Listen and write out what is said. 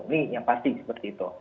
ini yang pasti seperti itu